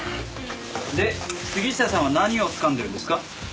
で杉下さんは何をつかんでるんですか？